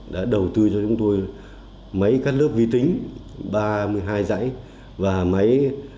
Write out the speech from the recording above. đã đầu tư cho chúng tôi mấy các lớp vi tính ba mươi hai giải